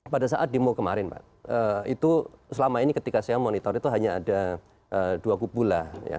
pada saat demo kemarin pak itu selama ini ketika saya monitor itu hanya ada dua kubu lah